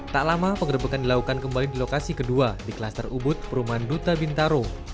tak lama pengerebekan dilakukan kembali di lokasi kedua di klaster ubud perumahan duta bintaro